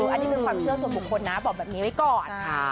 อันนี้เป็นความเชื่อส่วนบุคคลนะบอกแบบนี้ไว้ก่อน